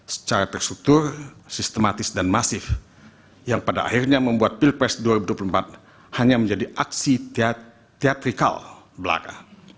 secara terstruktur sistematis dan masif yang pada akhirnya membuat pilpres dua ribu dua puluh empat hanya menjadi aksi teatrikal belaka